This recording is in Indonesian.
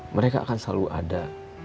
mereka akan selalu ada